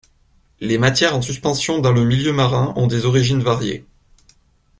Les matières en suspension dans le milieu marin ont des origines variées.